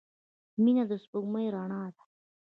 • مینه د سپوږمۍ رڼا ده.